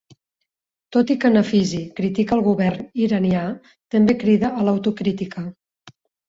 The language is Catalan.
Tot i que Nafisi critica el govern iranià, també crida a l'autocrítica.